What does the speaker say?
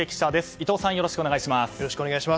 伊藤さん、よろしくお願いします。